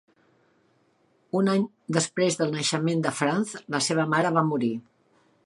Un any després del naixement de Franz, la seva mare va morir.